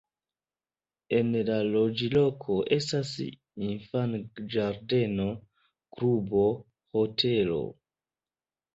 En la loĝloko estas infan-ĝardeno, klubo, hotelo.